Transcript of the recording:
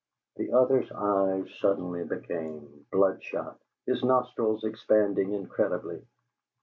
The other's eyes suddenly became bloodshot, his nostrils expanding incredibly.